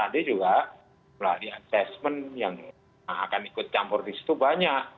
dia juga melalui assessment yang akan ikut campur di situ banyak